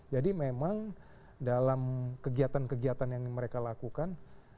jadi memang dalam kegiatan kegiatan yang mereka lakukan